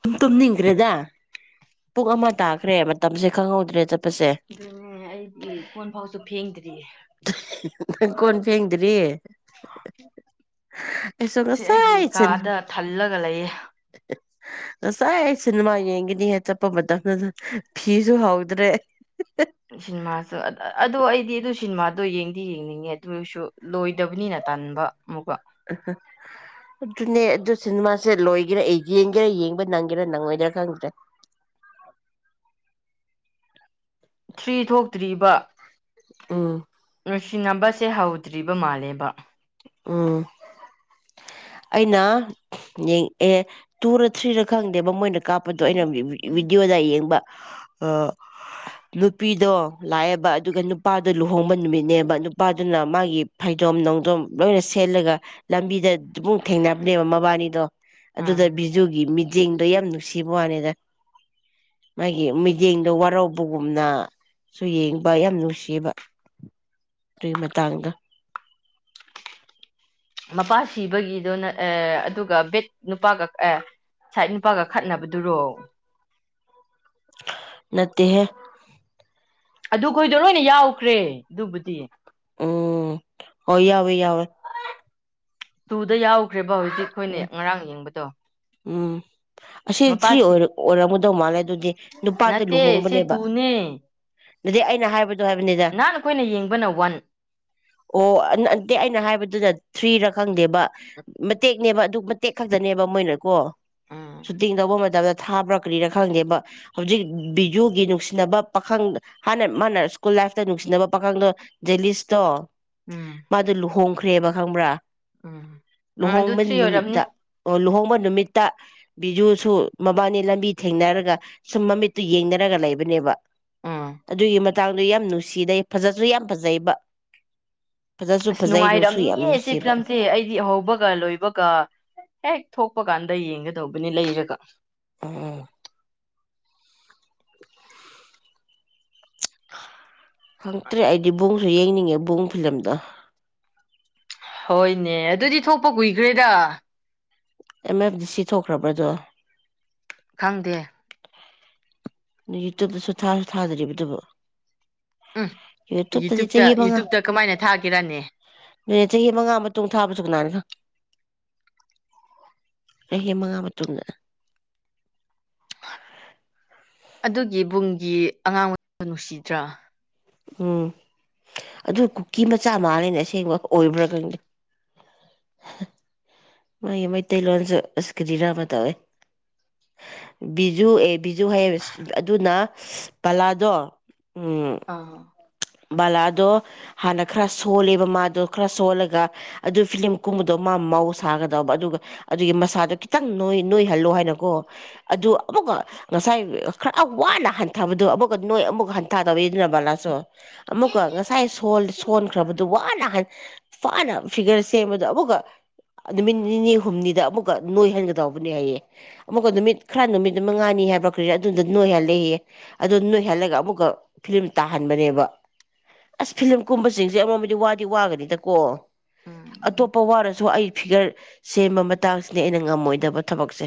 ꯇꯨꯝ ꯇꯨꯝꯅꯤꯡꯒ꯭ꯔꯦꯗ ꯄꯨꯡ ꯑꯃ ꯇꯥꯈ꯭ꯔꯦ ꯃꯇꯝꯁꯦ ꯈꯪꯍꯧꯗ꯭ꯔꯦ ꯆꯠ ꯑꯗꯨꯅꯦ ꯑꯩꯗꯤ ꯀꯣꯟ ꯐꯥꯎꯁꯨ ꯐꯦꯡꯗ꯭ꯔꯤꯌꯦ ꯍ ꯍ ꯅꯪ ꯀꯣꯟ ꯐꯦꯡꯗ꯭ꯔꯤ ꯍꯍ ꯑꯩꯁꯨ ꯁꯤ ꯑꯩꯒꯤ ꯉꯁꯥꯏ ꯏꯆꯟꯅ ꯀꯥꯗ ꯊꯜꯂꯒ ꯂꯩꯌꯦ ꯑꯁ ꯉꯁꯥꯏ ꯁꯤꯅꯦꯃꯥ ꯌꯦꯡꯒꯅꯤ ꯍꯦ ꯆꯠꯄ ꯃꯇꯝꯗꯨꯗ ꯐꯤꯁꯨ ꯍꯧꯗ꯭ꯔꯦ ꯁꯤꯅꯦꯃꯥꯁꯨ ꯑꯠ ꯑ ꯑꯗꯣ ꯑꯩꯗꯤ ꯑꯗꯨ ꯁꯤꯅꯦꯃꯥ ꯗꯣ ꯌꯦꯡꯗꯤ ꯌꯦꯡꯅꯤꯡꯉꯦ ꯑꯗꯨꯏꯁꯨ ꯂꯣꯏꯗꯕꯅꯤꯅ ꯇꯟꯕ ꯑꯃꯨꯛꯀ ꯑ ꯍ ꯑꯗꯨꯅꯦ ꯑꯗꯨ ꯁꯤꯅꯦꯃꯥꯁꯦ ꯂꯣꯏꯒꯦꯔꯥ ꯑꯩ ꯌꯦꯡꯒꯦꯔꯥ ꯌꯦꯡꯕ ꯅꯪꯒꯦꯔꯥ ꯅꯪꯉꯣꯏꯗꯔꯥ ꯈꯪꯗ꯭ꯔꯦ ꯊ꯭ꯔꯤ ꯊꯣꯛꯇ꯭ꯔꯤꯕ ꯎꯝ ꯅꯨꯡꯁꯤꯅꯕꯁꯦ ꯍꯧꯗ꯭ꯔꯤꯕ ꯃꯥꯜꯂꯦꯕ ꯎꯝ ꯑꯩꯅ ꯌꯦꯡ ꯑꯦ ꯇꯨꯔꯥ ꯊ꯭ꯔꯤꯔꯥ ꯈꯪꯗꯦꯕ ꯃꯣꯏꯅ ꯀꯥꯞꯄꯗꯣ ꯑꯩꯅ ꯔꯤ ꯕꯤ ꯕꯤꯗꯤ꯭ꯌꯣꯗ ꯌꯦꯡꯕ ꯍ ꯑ ꯍꯍ ꯅꯨꯄꯤꯗꯣ ꯂꯥꯛꯑꯦꯕ ꯑꯗꯨꯒ ꯅꯨꯄꯥꯗꯣ ꯂꯨꯍꯣꯡꯕ ꯅꯨꯃꯤꯠꯅꯦꯕ ꯅꯨꯄꯥꯗꯨꯅ ꯃꯥꯒꯤ ꯐꯩꯖꯣꯝ ꯅꯣꯡꯖꯣꯝ ꯂꯣꯏꯅ ꯁꯦꯠꯂꯒ ꯂꯝꯕꯤꯗ ꯑꯗꯨꯃꯨꯛ ꯊꯦꯡꯅꯕꯅꯦꯕ ꯃꯕꯥꯅꯤꯗꯣ ꯎꯝ ꯑꯗꯨꯗ ꯕꯤꯖꯨꯒꯤ ꯃꯤ ꯌꯦꯡꯗꯣ ꯌꯥꯝ ꯅꯨꯡꯁꯤꯕ ꯋꯥꯅꯤꯗ ꯃꯥꯒꯤ ꯃꯤꯠꯌꯦꯡꯗꯣ ꯋꯥꯔꯧꯕꯒꯨꯝꯅ ꯁꯨ ꯌꯦꯡꯕ ꯌꯥꯝ ꯅꯨꯡꯁꯤꯕ ꯇ꯭ꯔꯤ ꯃꯇꯥꯡꯗꯣ ꯃꯄꯥ ꯁꯤꯕꯒꯤꯗꯣꯅ ꯑꯦ ꯑꯗꯨꯒ ꯕꯦꯠ ꯅꯨꯄꯥꯒ ꯑꯦ ꯁꯥꯏꯠ ꯅꯨꯄꯥꯒ ꯈꯠꯅꯕꯗꯨꯔꯣ ꯅꯠꯇꯦꯍꯦ ꯑꯗꯨꯈꯣꯏꯗꯣ ꯂꯣꯏꯅ ꯌꯥꯎꯈ꯭ꯔꯦ ꯑꯗꯨꯕꯨꯗꯤ ꯎꯝ ꯍꯣꯏ ꯌꯥꯎꯋꯤ ꯌꯥꯎꯋꯤ ꯇꯨꯗ ꯌꯥꯎꯈ꯭ꯔꯦ ꯕ ꯍꯧꯖꯤꯛ ꯈꯣꯏꯅ ꯎꯝ ꯉꯔꯥꯡ ꯌꯦꯡꯕꯗꯣ ꯎꯝ ꯑꯁꯤ ꯊ꯭ꯔꯤ ꯃꯄꯥꯁꯤ ꯑꯣꯏꯔ ꯑꯣꯏꯔꯝꯒꯗꯧ ꯃꯥꯜꯂꯦ ꯑꯗꯨꯗꯤ ꯅꯨꯄꯥꯗꯥ ꯅꯠꯇꯦ ꯁꯤ ꯂꯨꯍꯣꯡꯕꯅꯦꯕ ꯇꯨꯅꯦ ꯑꯗꯨꯗꯩ ꯑꯩꯅ ꯍꯥꯏꯕꯗꯣ ꯍꯥꯏꯕꯅꯤꯗ ꯅꯍꯥꯟ ꯑꯩꯈꯣꯏꯅ ꯌꯦꯡꯕꯅ ꯋꯥꯟ ꯑꯣ ꯑ ꯅꯠ ꯅꯠꯇꯦ ꯑꯩꯅ ꯍꯥꯏꯕꯗꯨꯅ ꯊ꯭ꯔꯤꯔꯥ ꯈꯪꯗꯦꯕ ꯃꯠ ꯇꯦꯛꯅꯦꯕ ꯑꯗꯨ ꯃꯇꯦꯛ ꯈꯛꯇꯅꯦꯕ ꯃꯣꯏꯅꯀꯣ ꯎꯝ ꯁꯨꯇꯤꯡ ꯇꯧꯕ ꯃꯇꯝꯗ ꯊꯥꯕ꯭ꯔꯥ ꯀ꯭ꯔꯤꯔꯥ ꯈꯪꯗꯦꯕ ꯍꯧꯖꯤꯛ ꯕꯤꯖꯨꯒꯤ ꯅꯨꯡꯁꯤꯅꯕ ꯄꯥꯈꯪ ꯍꯥꯟꯅ ꯃꯥꯅ ꯁ꯭ꯀꯨꯜ ꯂꯥꯏꯐꯇ ꯅꯨꯡꯁꯤꯅꯕ ꯄꯥꯈꯪꯗꯣ ꯖꯦꯂꯤꯁꯇꯣ ꯎꯝ ꯃꯥꯗꯨ ꯂꯨꯍꯣꯡ ꯈ꯭ꯔꯦꯕ ꯈꯪꯕ꯭ꯔꯥ ꯎꯝ ꯑꯗꯨ ꯂꯨꯍꯣꯡꯕ ꯊ꯭ꯔꯤ ꯑꯣꯏꯔꯝꯅꯤ ꯅꯨꯃꯤꯠꯇ ꯑꯣ ꯂꯨꯍꯣꯡ ꯍꯣꯡꯕ ꯅꯨꯃꯤꯠꯇ ꯕꯤꯖꯨꯁꯨ ꯃꯕꯥꯅꯤ ꯂꯝꯕꯤ ꯊꯦꯡꯅꯔꯒ ꯁꯨꯝ ꯃꯃꯤꯠꯇꯨ ꯌꯦꯡꯅꯔꯒ ꯂꯩꯕꯅꯦꯕ ꯎꯝ ꯑꯗꯨꯏ ꯃꯇꯥꯡꯗ ꯌꯥꯝ ꯅꯨꯡꯁꯤꯗꯩ ꯐꯖꯁꯨ ꯌꯥꯝ ꯐꯖꯩꯕ ꯐꯖꯁꯨ ꯑꯁ ꯐꯖꯩ ꯅꯨꯡꯁꯨ ꯌꯥꯝ ꯅꯨꯡꯉꯥꯏꯔꯝꯅꯤꯌꯦ ꯁꯤ ꯅꯨꯡꯁꯤꯕ ꯐꯤꯂꯝꯁꯦ ꯑꯩꯗꯤ ꯑꯍꯧꯕꯒ ꯂꯣꯏꯕ ꯀꯥ ꯍꯦꯛ ꯊꯣꯛꯄ ꯀꯥꯟꯗ ꯌꯦꯡꯒꯗꯧꯕꯅꯤ ꯂꯩꯔꯒ ꯎꯝ ꯈꯪꯇ꯭ꯔꯦ ꯑꯩꯗꯤ ꯕꯨꯡꯁꯨ ꯌꯦꯡꯅꯤꯡꯉꯦ ꯕꯨꯡ ꯐꯤꯂꯝꯗꯣ ꯍꯣꯏꯅꯦ ꯑꯗꯨꯗꯤ ꯊꯣꯛꯄ ꯀꯨꯏꯈ꯭ꯔꯦꯗ ꯑꯦꯝ ꯑꯦꯐ ꯗꯤ ꯁꯤ ꯊꯣꯛꯈ꯭ꯔꯕ꯭ꯔꯗꯣ ꯈꯪꯗꯦ ꯌꯨꯇꯨꯕꯇꯁꯨ ꯊꯁꯨ ꯊꯥꯗ꯭ꯔꯤꯕꯗꯨꯕꯨ ꯎꯝ ꯌꯨꯇꯨꯕꯇꯗꯤ ꯌꯨꯇ꯭ꯌꯨꯕꯇ ꯆꯍꯤ ꯃꯉꯥ ꯌꯨꯇ꯭ꯌꯨꯕꯇ ꯀꯃꯥꯏꯅ ꯊꯥꯒꯦꯔꯅꯦ ꯑꯗꯨ ꯆꯍꯤ ꯃꯉꯥ ꯃꯇꯨꯡ ꯊꯥꯕꯁꯨ ꯀꯅꯥꯅ ꯆꯍꯤ ꯃꯉꯥ ꯃꯇꯨꯡꯗ ꯑꯗꯨꯒꯤꯕꯨꯡꯒꯤ ꯑꯉꯥꯡ ꯅꯨꯡꯁꯤꯗ꯭ꯔꯥ ꯎꯝ ꯑꯗꯨ ꯀꯨꯀꯤ ꯃꯆꯥ ꯃꯜꯂꯤꯅꯦ ꯑꯁꯦꯡꯕ ꯑꯣꯏꯕ꯭ꯔꯥ ꯈꯪꯗꯦ ꯅꯣꯏꯒꯤ ꯃꯩꯇꯩ ꯂꯣꯟꯁꯨ ꯑꯁ ꯀꯤꯔꯤꯔ ꯑꯃ ꯇꯧꯑꯦ ꯕꯤꯖꯨ ꯑꯦ ꯕꯤꯖꯨ ꯍꯩꯌꯦ ꯑꯗꯨꯅ ꯕꯥꯂꯥꯗꯣ ꯑꯥ ꯕꯥꯂꯥꯗꯣ ꯍꯥꯟꯅ ꯈꯔ ꯁꯣꯜꯂꯦꯕ ꯃꯥꯗꯣ ꯈꯔ ꯁꯣꯜꯂꯒ ꯑꯗꯨ ꯐꯤꯂꯝ ꯀꯨꯝꯕꯗꯣ ꯃꯥ ꯃꯧ ꯁꯥꯒꯗꯧꯕ ꯑꯗꯨꯒ ꯑꯗꯨꯒꯤ ꯃꯁꯥꯗꯣ ꯈꯤꯇꯪ ꯅꯣꯏ ꯅꯣꯏꯍꯜꯂꯣ ꯍꯥꯏꯅꯀꯣ ꯑꯗꯨ ꯑꯃꯨꯛꯀ ꯉꯁꯥꯏ ꯈꯔ ꯋꯥꯅ ꯍꯟꯊꯕꯗꯣ ꯑꯃꯨꯛꯀ ꯅꯣꯏ ꯑꯃꯨꯛꯀ ꯍꯟꯊꯗ ꯇꯧꯏꯗꯅ ꯕꯥꯂꯥꯁꯨ ꯑꯃꯨꯛꯀ ꯉꯁꯥꯏ ꯁꯣꯟꯈ꯭ꯔꯕꯗꯨ ꯋꯥꯅ ꯐꯥꯅ ꯐꯤꯒꯔ ꯁꯦꯝꯕꯗꯣ ꯑꯃꯨꯛꯀ ꯅꯨꯃꯤꯠ ꯅꯤꯅꯤ ꯍꯨꯝꯅꯤꯗ ꯑꯃꯨꯛꯀ ꯅꯣꯏꯍꯟꯒꯗꯧꯕꯅꯦ ꯍꯥꯏꯌꯦ ꯑꯃꯨꯛꯀ ꯅꯨꯃꯤꯠ ꯈꯔ ꯅꯨꯃꯤꯠ ꯃꯉꯥꯅꯤ ꯍꯏꯕꯔꯥ ꯀꯔꯤꯔꯥ ꯑꯗꯨꯗ ꯅꯣꯏꯍꯜꯂꯦꯌꯦ ꯑꯗꯨꯗꯣ ꯅꯣꯏꯍꯜꯂꯒ ꯑꯃꯨꯛꯀ ꯐꯤꯂꯝ ꯇꯥꯍꯟꯕꯅꯦꯕ ꯑꯁ ꯐꯤꯂꯝ ꯀꯨꯝꯕꯁꯤꯡꯁꯦ ꯑꯃꯃꯗꯤ ꯋꯥꯗꯤ ꯋꯥꯒꯅꯤꯗꯀꯣ ꯎꯝ ꯑꯇꯣꯞꯄ ꯋꯥꯔꯁꯨ ꯑꯩ ꯐꯤꯒꯔ ꯁꯦꯝꯕ ꯃꯇꯥꯡꯁꯤꯅꯦ ꯑꯩꯅ ꯉꯝꯃꯣꯏꯗꯕ ꯊꯕꯛꯁꯦ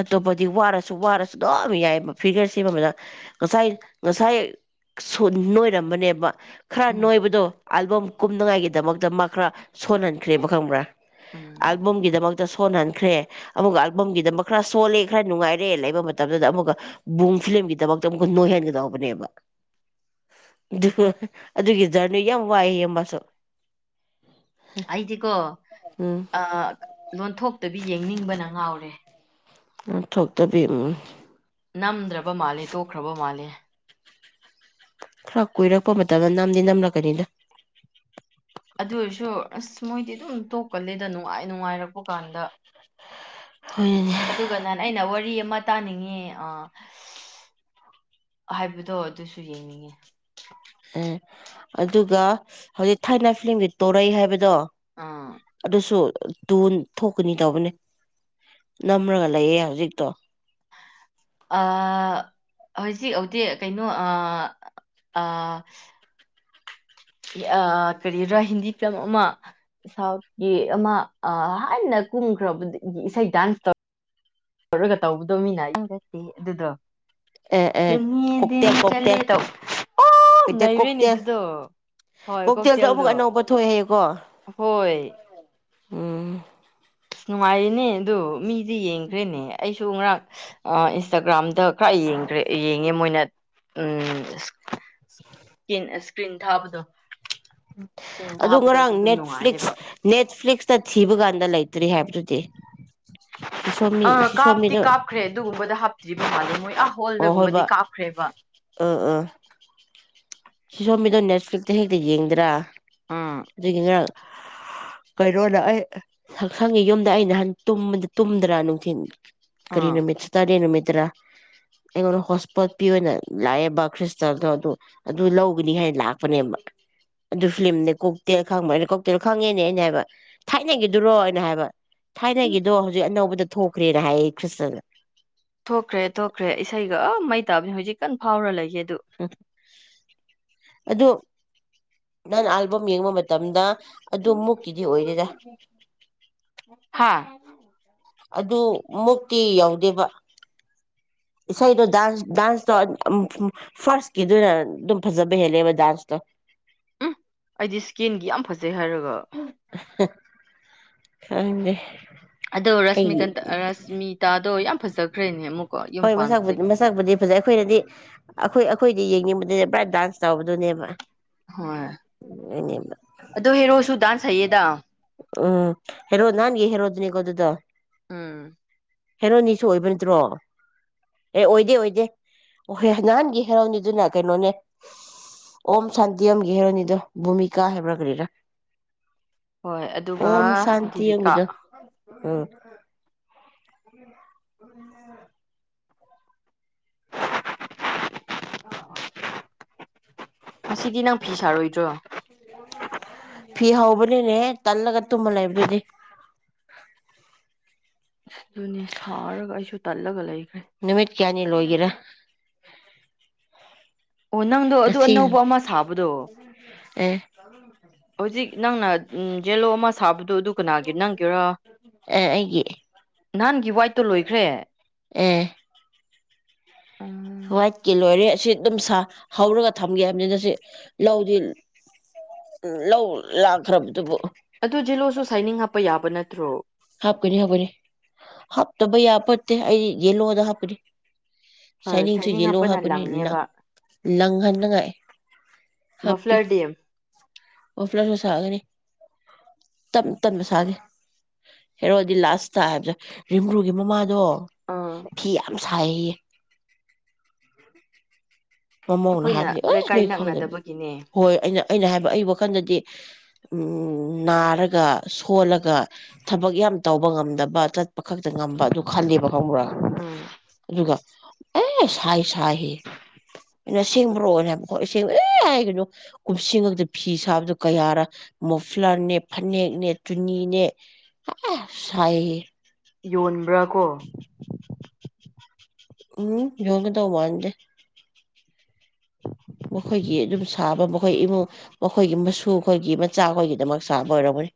ꯑꯇꯣꯞꯄꯗꯤ ꯋꯥꯔꯁꯨ ꯋꯥꯔꯁꯨ ꯑꯗꯨꯝ ꯌꯥꯏꯑꯦꯕ ꯐꯤꯒꯔ ꯁꯦꯝꯕ ꯃꯇꯥꯡ ꯉꯁꯥꯏ ꯉꯁꯥꯏ ꯅꯣꯏꯔꯝꯕꯅꯦꯕ ꯈꯔ ꯎꯝ ꯅꯣꯏꯕꯗꯣ ꯑꯜꯕꯝ ꯀꯨꯝꯅꯉꯥꯏꯒꯤꯗꯃꯛꯇ ꯃꯥ ꯈꯔ ꯁꯣꯟꯍꯟꯈ꯭ꯔꯦꯕ ꯈꯪꯕ꯭ꯔꯥ ꯎꯝ ꯑꯜꯕꯝꯒꯤꯗꯃꯛꯇ ꯁꯣꯟꯍꯟꯈ꯭ꯔꯦ ꯑꯃꯨꯛꯀ ꯑꯜꯕꯝꯒꯤꯗꯃꯛ ꯈꯔ ꯁꯣꯜꯂꯦ ꯈꯔ ꯅꯨꯡꯉꯥꯏꯔꯦ ꯂꯩꯕ ꯃꯇꯝꯗꯨꯗ ꯑꯃꯨꯛꯀ ꯕꯨꯡ ꯐꯤꯂꯝꯒꯤꯗꯃꯛꯇ ꯑꯃꯨꯛ ꯅꯣꯏꯍꯟꯒꯗꯧꯕꯅꯦꯕ [unintelligible] ꯖꯔꯅꯤ ꯌꯥꯝ ꯋꯥꯏꯑꯦ ꯃꯥꯁꯨ ꯑꯩꯗꯤꯀꯣ ꯎꯝ ꯂꯣꯟꯊꯣꯛꯇꯕꯤ ꯌꯦꯡꯅꯤꯡꯕꯅ ꯉꯥꯎꯔꯦ ꯂꯣꯟꯊꯣꯛꯇꯕꯤ ꯅꯝꯗ꯭ꯔꯕ ꯃꯥꯜꯂꯦ ꯇꯣꯛꯈ꯭ꯔꯕ ꯃꯥꯜꯂꯦ ꯈꯔ ꯀꯨꯏꯔꯛꯄ ꯃꯇꯝꯗ ꯅꯝꯗꯤ ꯅꯝꯂꯛꯀꯅꯤꯗ ꯑꯗꯨ ꯑꯣꯏꯔꯁꯨ ꯑꯁ ꯃꯣꯏꯗꯤ ꯑꯗꯨꯝ ꯇꯣꯛꯀꯂꯦꯗ ꯅꯨꯡꯉꯥꯏ ꯅꯨꯡꯉꯥꯏꯔꯛꯄ ꯀꯥꯟꯗ ꯍꯣꯏꯅꯦ ꯑꯗꯨꯒ ꯅꯥꯟ ꯑꯩꯅ ꯋꯥꯔꯤ ꯑꯃ ꯇꯥꯅꯤꯡꯉꯦ ꯑ ꯍꯥꯏꯕꯗꯣ ꯑꯗꯨꯁꯨ ꯌꯦꯡꯅꯤꯡꯉꯦ ꯑꯥ ꯑꯗꯨꯒ ꯍꯧꯖꯤꯛ ꯊꯥꯏꯅ ꯐꯤꯂꯝꯒꯤ ꯇꯣꯔꯩ ꯍꯥꯏꯕꯗꯣ ꯑꯥ ꯑꯗꯨꯁꯨ ꯇꯨꯟ ꯊꯣꯛꯀꯅꯤ ꯇꯧꯕꯅꯦ ꯅꯝꯔꯒ ꯂꯩꯌꯦ ꯍꯧꯖꯤꯛꯇꯣ ꯑꯥ ꯍꯧꯖꯤꯛ ꯑꯧꯗꯤ ꯀꯩꯅꯣ ꯑꯥ ꯑꯥ ꯀꯔꯤꯔꯥ ꯍꯤꯟꯗꯤ ꯐꯤꯂꯝ ꯑꯃ ꯁꯥꯎꯠꯒꯤ ꯑꯃ ꯍꯥꯟꯅ ꯀꯨꯝꯈ꯭ꯔꯕ ꯏꯁꯩ ꯗꯥꯟꯁ ꯇꯧ ꯇꯧꯕꯗꯣ ꯃꯤꯅ [unintelligible] ꯑꯗꯨꯗꯣ ꯑꯦ ꯑꯦ ꯀꯣꯛꯇꯦꯜ [unintelligible] ꯆꯠꯂꯦ ꯀꯣꯛꯇꯦꯜ ꯇꯧ ꯑꯣ ꯀꯩꯇꯦꯜ ꯅꯩꯔꯦꯅꯦ ꯀꯣꯛꯇꯦꯜ ꯑꯗꯨꯗꯣ ꯍꯣꯏ ꯑꯃꯨꯛ ꯀꯣꯛꯇꯦꯜꯗꯣ ꯑꯅꯧꯕ ꯊꯣꯛꯑꯦ ꯍꯥꯏꯌꯦꯀꯣ ꯍꯣꯏ ꯎꯝ ꯅꯨꯡꯉꯥꯏꯔꯤꯅꯦ ꯑꯗꯣ ꯃꯤꯗꯤ ꯌꯦꯡꯈ꯭ꯔꯦꯅꯦ ꯑꯩꯁꯨ ꯉꯔꯥꯡ ꯏꯟꯁꯇꯥꯒ꯭ꯔꯥꯝꯗ ꯈꯔ ꯌꯦꯡꯈ꯭ꯔꯦ ꯌꯦꯡꯉꯦ ꯃꯣꯏꯅ ꯎꯝ [unintelligible] ꯏꯁꯀ꯭ꯔꯤꯟ ꯊꯥꯕꯗꯣ ꯏꯁꯀ꯭ꯔꯤꯟ ꯑꯗꯨ ꯊꯥꯕꯗꯣ ꯉꯔꯥꯡ ꯑꯗꯨꯗꯣ ꯅꯨꯡꯉꯥꯏꯌꯦꯕ ꯅꯦꯠꯐ꯭ꯂꯤꯛꯁ ꯅꯦꯠꯐ꯭ꯂꯤꯛꯁꯇ ꯊꯤꯕ ꯀꯥꯟꯗ ꯂꯩꯇ ꯇ꯭ꯔꯤ ꯍꯥꯏꯕꯗꯨꯗꯤ ꯁꯤꯁꯣꯝꯕꯤ ꯑꯥ ꯀꯥꯞꯇꯤ ꯁꯤꯁꯣꯝꯕꯤꯗꯣ ꯀꯥꯞꯈ꯭ꯔꯦ ꯑꯗꯨꯒꯨꯝꯕꯗ ꯍꯥꯞꯇ꯭ꯔꯤꯕ ꯐꯣꯏ [unintelligible] ꯑꯣ ꯍꯣꯜꯗꯒꯨꯝꯕꯗꯤ ꯍꯣꯏꯕ ꯀꯥꯞꯈ꯭ꯔꯦꯕ ꯁꯤ ꯁꯣꯝ ꯃꯤꯗꯣ ꯅꯦꯠꯐ꯭ꯂꯤꯛꯇ ꯍꯦꯛꯇ ꯌꯦꯡꯗ꯭ꯔꯥ ꯎꯝ [unintelligible] ꯀꯩꯅꯣꯅ ꯑꯩ ꯁꯛꯁꯪꯉꯤ ꯌꯨꯝꯗ ꯑ ꯅꯍꯥꯟ ꯇꯨꯝꯕꯗ ꯇꯨꯝꯗ꯭ꯔꯥ ꯅꯨꯡꯊꯤꯜ ꯀꯔꯤ ꯑꯥ ꯅꯃꯤꯠ ꯁꯇꯔꯗꯦ ꯅꯨꯃꯤꯠ ꯭ꯇ꯭ꯔꯥ ꯑꯩꯉꯣꯟꯗ ꯍꯣꯁꯄꯣꯠ ꯄꯤ ꯑꯣꯏꯅ ꯂꯥꯛꯑꯦꯕ ꯈ꯭ꯔꯤꯁꯇꯦꯜꯗꯣ ꯑꯗꯨ ꯑꯗꯨ ꯂꯧꯒꯅꯤ ꯍꯥꯏꯅ ꯂꯥꯛꯄꯅꯦꯕ ꯑꯗꯨ ꯐꯤꯂꯝꯅꯦ ꯀꯣꯛꯇꯦꯜ ꯈꯪꯕ ꯑꯩꯅ ꯀꯣꯛꯇꯦꯜ ꯈꯪꯉꯦꯅꯦ ꯑꯩꯅ ꯍꯥꯏꯕ ꯊꯥꯏꯅꯒꯤꯗꯨꯔꯣ ꯑꯩꯅ ꯍꯥꯏꯕ ꯊꯥꯏꯅꯒꯤꯗꯣ ꯍꯧꯖꯤꯛ ꯑꯅꯧꯕꯗ ꯊꯣꯛꯈ꯭ꯔꯦꯅ ꯍꯥꯢꯌꯦ ꯈ꯭ꯔꯤꯁꯇꯅ ꯊꯣꯛꯈ꯭ꯔꯦ ꯊꯣꯛꯈ꯭ꯔꯦ ꯏꯁꯩꯒ ꯑ ꯃꯩ ꯇꯥꯕꯅꯤ ꯍꯧꯖꯤꯛ ꯀꯟ ꯐꯥꯎꯔ ꯂꯩꯒꯦ ꯍ [unintelligible] ꯑꯗꯣ ꯅꯪ ꯑꯜꯕꯝ ꯌꯦꯡꯕ ꯃꯇꯝꯗ ꯑꯗꯨ ꯃꯨꯛꯀꯤꯗꯤ ꯑꯣꯏꯗꯦꯗ ꯍꯥꯥ ꯑꯗꯨ ꯃꯨꯛꯇꯤ ꯌꯥꯎꯗꯦꯕ ꯏꯁꯩꯗꯣ ꯗꯥꯟꯁ ꯗꯥꯟꯁꯇꯣ ꯐꯥꯔꯁꯀꯤꯗꯨ ꯑꯗꯨꯝ ꯐꯖꯕ ꯍꯦꯜꯂꯦꯕ ꯗꯥꯟꯁꯇꯣ ꯎꯝ ꯑꯩꯗꯤ ꯏꯁꯀꯤꯟꯒꯤ ꯌꯥꯝ ꯐꯖꯩ ꯍꯥꯏꯔꯒ ꯈꯪꯗ ꯑꯗꯣ ꯔꯁꯃꯤꯀꯟ ꯔꯁꯃꯤꯇꯥꯗꯣ ꯌꯥꯝ ꯐꯖꯈ꯭ꯔꯦꯅꯦ ꯑꯃꯨꯛꯀ ꯌꯨꯝ ꯍꯣꯏ ꯃꯁꯛꯄꯨꯗꯤ ꯄꯥꯟꯕꯗꯒꯤ ꯃꯁꯛꯄꯨꯗꯤ ꯐꯖꯩ ꯑꯩꯈꯣꯏꯅꯗꯤ ꯑꯩꯈꯣꯏ ꯑꯩꯈꯣꯏꯗꯤ ꯌꯦꯡꯅꯤꯡꯕꯗꯨꯅꯦ ꯕꯔꯥꯠ ꯗꯥꯟꯁ ꯇꯧꯕꯗꯨꯅꯦꯕ ꯍꯣꯏ ꯑꯗꯨꯅꯦꯕ ꯑꯗꯨ ꯍꯔꯣꯁꯨ ꯗꯥꯁꯇ ꯍꯥꯏꯌꯦ ꯗ ꯎꯝ ꯍꯔꯣ ꯅꯥꯟꯒꯤ ꯍꯦꯔꯣꯗꯨꯅꯤꯀꯣꯗꯨꯗꯣ ꯎꯝ ꯍꯦꯔꯣꯅꯤꯁꯨ ꯑꯣꯏꯕ ꯅꯠꯇ꯭ꯔꯣ ꯑꯦ ꯑꯣꯏꯗꯦ ꯑꯣꯏꯗꯦ ꯑꯣꯍꯣꯏ ꯅꯍꯥꯟꯒꯤ ꯍꯦꯔꯣꯅꯤꯗꯨꯅ ꯀꯩꯅꯣꯅꯦ ꯑꯣꯝ ꯁꯥꯟꯇꯤ ꯑꯣꯝꯒꯤ ꯍꯦꯔꯣꯅꯤꯗꯣ ꯚꯨꯃꯤꯀꯥ ꯍꯥꯏꯕ꯭ꯔꯥ ꯀꯔꯤꯔꯥ ꯍꯣꯏ ꯑꯗꯨꯒ ꯑꯣꯝ ꯗꯤꯕꯤꯀꯥ ꯁꯥꯟꯇꯤꯌꯝꯒꯤꯗꯣ ꯎꯝ ꯎ [unintelligible] ꯑ ꯍ ꯉꯁꯤꯗꯤ ꯅꯪ ꯐꯤ ꯁꯥꯔꯣꯏꯗ꯭ꯔꯣ ꯐꯤ ꯍꯧꯕꯅꯤꯅꯦ ꯇꯜꯂꯒ ꯇꯨꯝꯃ ꯂꯩꯕꯗꯨꯗꯤ ꯑꯗꯨꯅꯦ ꯁꯥꯔꯒ ꯑꯩꯁꯨ ꯇꯜꯂꯒ ꯂꯩꯈ꯭ꯔꯦ ꯅꯨꯃꯤꯠ ꯀꯌꯥꯅꯤ ꯂꯣꯏꯣꯏꯒꯔꯥ ꯑꯣ ꯅꯪꯗꯣ ꯑꯗꯨ ꯑꯅꯧꯕ ꯑꯃ ꯁꯥꯕꯗꯣ ꯑꯦ ꯍꯧꯖꯤꯛ ꯅꯪꯅ ꯖꯦꯜꯂꯣ ꯑꯃ ꯁꯥꯕ ꯑꯗꯨ ꯑꯗꯨ ꯀꯅꯥꯒꯤ ꯅꯪꯒꯦꯔ ꯑꯦ ꯑꯩꯒꯤ ꯅꯍꯥꯟꯒꯤ ꯋꯥꯏꯠꯇ ꯂꯣꯏꯈ꯭ꯔꯦ ꯑꯝ ꯍꯏꯠꯀꯤ ꯂꯣꯏꯔꯦ ꯑꯁꯤ ꯑꯗꯨꯝ ꯁꯥ ꯍꯧꯔꯒ ꯊꯝꯒꯦ ꯍꯥꯏꯕꯅꯤꯅ ꯁꯤ ꯂꯧꯗꯤ ꯎ ꯂꯧ ꯂꯥꯛꯈ꯭ꯔꯕꯗꯨꯕꯨ ꯑꯗꯨ ꯖꯤꯜꯂꯣꯁꯨ ꯁꯥꯏꯅꯤꯡ ꯍꯥꯞꯄ ꯌꯥꯕ ꯅꯠꯇ꯭ꯔꯣ ꯍꯥꯞꯀꯅꯤ ꯍꯥꯞꯄꯅꯤ ꯍꯥꯞꯇꯕ ꯌꯥ ꯐꯠꯇꯦ ꯑꯩ ꯌꯦꯜꯂꯣꯗ ꯍꯥꯞꯀꯅꯤ ꯍꯣꯏ ꯁꯥꯏꯅꯤꯡꯁꯨ ꯁꯥꯏꯅꯤꯡ ꯌꯦꯂꯣ ꯍꯥꯞꯄꯅ ꯍꯥꯞꯄꯅꯤ ꯂꯪ ꯂꯪꯉꯦꯕ ꯂꯪꯍꯟꯟꯅꯉꯥꯏ ꯍꯥꯞꯀꯦ ꯃꯐ꯭ꯂꯔꯗꯤ ꯑꯣꯐ꯭ꯂꯥꯁꯨ ꯁꯥꯒꯅꯤ ꯇꯝꯅ ꯁꯥꯒꯦ ꯍꯦꯔꯣꯗꯤ ꯂꯥꯁꯇ ꯍꯥꯏꯕꯁꯦ ꯔꯤꯝ꯭ꯔꯨꯒꯤ ꯃꯃꯥꯗꯣ ꯐꯤ ꯁꯥꯏ ꯃꯃꯧꯅ ꯑꯩꯈꯣꯏꯅ ꯍꯥꯏꯕꯅꯤ ꯑꯁ ꯂꯩꯀꯥꯏ ꯅꯣꯏ ꯈꯪꯖꯕ ꯅꯛꯅꯗꯕꯒꯤꯅꯦ ꯍꯣꯏ ꯑꯩꯅ ꯑꯩꯅ ꯍꯥꯏꯕ ꯑꯩ ꯋꯥꯈꯜꯗꯗꯤ ꯎ ꯅꯥꯔꯒ ꯁꯣꯜꯂꯒ ꯊꯕꯛ ꯌꯥꯝ ꯇꯧꯕ ꯉꯝꯗꯕ ꯄꯈꯛꯇ ꯉꯝꯕ ꯑꯗꯨ ꯈꯜꯂꯦꯕ ꯈꯪꯕꯨꯔꯒ ꯑꯗꯨꯒ ꯑꯦ ꯁꯥꯏ ꯁꯥꯏ ꯍꯦ ꯑꯩꯅ ꯦꯡꯕ꯭ꯔꯣꯅꯦꯕ ꯍꯣꯏ ꯁꯦꯡꯅ ꯑꯦ ꯍꯥꯏꯒꯅꯣ ꯀꯨꯝꯁꯤ ꯉꯛꯇ ꯐꯤ ꯁꯥꯕꯗꯣ ꯀꯌꯥꯔ ꯃꯣꯐ꯭ꯂꯔꯅꯦ ꯐꯅꯦꯛꯅꯦ ꯇꯨꯅꯤꯅꯦ ꯑ ꯁꯥꯏꯌꯦ ꯌꯣꯟꯕ꯭ꯔꯥ ꯀꯣ ꯎꯝ ꯌꯣꯒ ꯇ ꯋꯥꯟꯗꯦ [unintelligible] ꯃꯈꯣꯏꯒꯤ ꯑꯗꯨꯝ ꯁꯥꯕ ꯃꯈꯣꯏ ꯏꯃꯨꯡ ꯃꯈꯣꯏꯒꯤ ꯃꯁꯨ ꯈꯣꯏꯒꯤ ꯃꯆꯥ ꯑꯩꯣꯏꯒꯤꯗꯃꯛ ꯁꯥꯕ ꯑꯣꯏꯔꯒꯅꯤ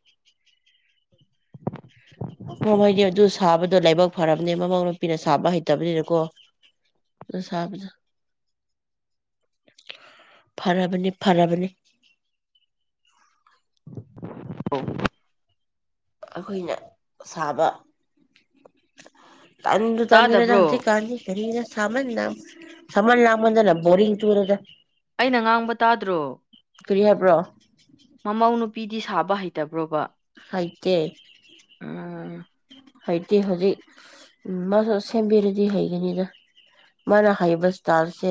ꯃꯃꯩꯗꯤ ꯑꯗꯨ ꯁꯥꯕꯗꯣ ꯂꯥꯏꯕꯛ ꯐꯔꯕꯅꯦ ꯃꯃꯧ ꯅꯨꯄꯤꯅ ꯁꯥꯕ ꯍꯩꯇꯕꯅꯤꯅꯀꯣ ꯑꯗꯨ ꯁꯥꯕꯗꯣ ꯐꯔꯕꯅꯤ ꯐꯔꯕꯅꯤ ꯍ ꯑꯩꯈꯣꯏꯅ ꯁꯥꯕ ꯇꯥꯟꯗ ꯇꯥꯥꯟꯨꯔ ꯇꯥꯗꯕ꯭ꯔꯣ ꯆ ꯀꯥꯟ ꯈꯅ ꯁꯥꯃꯅ ꯅ ꯁꯥꯟ ꯂꯃꯗꯅ ꯣꯔꯤꯡ ꯇꯨꯔꯗ ꯑꯩꯅ ꯉꯥꯡꯕ ꯇꯥꯗ꯭ꯔꯣ ꯀꯔꯤ ꯍꯥꯏꯕ꯭ꯔꯣ ꯃꯃꯧ ꯅꯨꯄꯤ ꯅꯨꯄꯤꯗꯤ ꯁꯥꯕ ꯍꯩꯇꯕ꯭ꯔꯣꯕ ꯍꯥꯏꯀꯦ ꯎꯝ ꯍꯩꯇꯦ ꯍꯧꯖꯤꯛ ꯎ ꯃꯥꯁꯨ ꯁꯦꯝꯕꯤꯔꯗꯤ ꯍꯩꯒꯅꯤꯗ ꯃꯥꯅ ꯍꯩꯕ ꯏꯁꯇꯥꯜꯁꯦ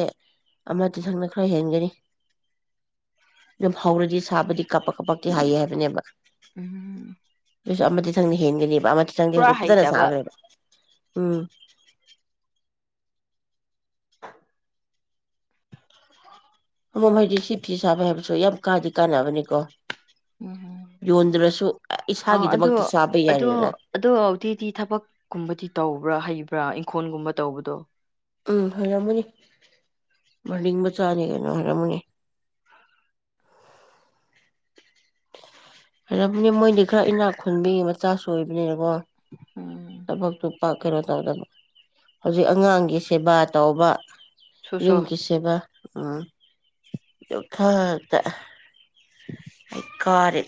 ꯑꯃ ꯇꯊꯪꯅ ꯈꯔ ꯍꯦꯟꯒꯅꯤ ꯑꯗꯨꯝ ꯍꯧꯔꯗꯤ ꯁꯥꯕꯗꯤ ꯀꯄꯛ ꯀꯞꯄꯛꯇꯤ ꯍꯥꯏꯌꯦ ꯍꯥꯏꯕꯅꯦꯕ ꯎꯝ ꯑꯗꯨꯁꯨ ꯑꯃꯗꯤ ꯊꯪꯅ ꯍꯦꯟꯒꯅꯦꯕ [unintelligible] ꯄꯨꯔꯥ ꯐꯖꯅꯥ ꯍꯩꯇꯕ ꯁꯥꯎꯔ‌ꯦꯕꯥ ꯑꯝ ꯑꯃꯃꯝ ꯍꯥꯏꯗꯤ ꯁꯤ ꯐꯤ ꯁꯥꯕ ꯍꯥꯏꯕꯁꯨ ꯌꯥꯝ ꯀꯥꯗꯤ ꯀꯥꯟꯅꯕꯅꯤꯀꯣ ꯎꯝ ꯌꯣꯟꯗ꯭ꯔꯁꯨ ꯑ ꯑꯗꯣ ꯏꯁꯥꯒꯤꯗꯃꯛꯇ ꯁꯥꯕ ꯑꯗꯣ ꯌꯥꯔꯦꯗꯅ ꯑꯗꯣ ꯑꯗꯨꯗꯤꯗꯤ ꯊꯕꯛꯀꯨꯝꯕꯗꯤ ꯇꯧꯕ꯭ꯔꯥ ꯍꯩꯕꯥ ꯄꯨ꯭ꯔꯥ ꯏꯪꯈꯣꯜꯒꯨꯝꯕ ꯇꯧꯕꯗꯣ ꯎꯝ ꯐꯔꯝꯃꯅꯤ ꯃꯔꯤꯡ ꯃꯆꯥꯅꯤ ꯀꯩꯅꯣ ꯍꯥꯏꯔꯝꯃꯅꯤ ꯍꯥꯏꯅꯦ ꯃꯣꯏꯗꯤ ꯈꯔ ꯏꯅꯥꯛ ꯈꯨꯟꯕꯤ ꯃꯆꯥꯁꯨ ꯑꯣꯏꯕꯅꯤꯅꯀꯣ ꯎꯝ [unintelligible] ꯀꯩꯅꯣ ꯇꯧꯗꯅ ꯍꯧꯖꯤꯛ ꯑꯉꯥꯡꯒꯤ ꯁꯦꯕꯥ ꯇꯧꯕ ꯁꯨꯁꯨ ꯌꯨꯝꯒꯤꯁꯦꯕꯥ ꯎ ꯌꯣꯛꯊꯥꯗ ꯑꯩꯀꯥꯔꯦ